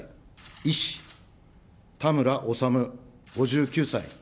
医師、田村修５９歳。